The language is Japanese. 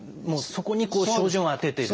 そこに照準を当ててる。